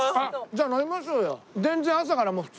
じゃあ飲みましょうよ！